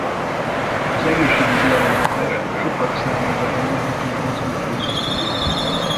Az egészségügyi ellátás sokak számára elérhető a mozgó kórházak révén.